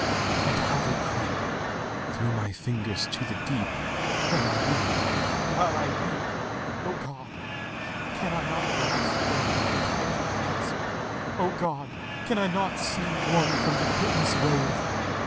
yet how they creep Through my fingers to the deep, While I weep—while I weep! O God! can I not grasp Them with a tighter clasp? O God! can I not save One from the pitiless wave?